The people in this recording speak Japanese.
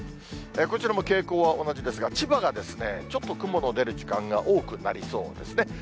こちらも傾向は同じですが、千葉がちょっと雲の出る時間が多くなりそうですね。